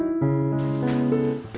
berarti maksimum maret tahun depan